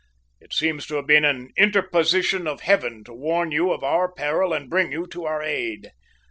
It seems to have been an interposition of heaven to warn you of our peril and bring you to our aid!"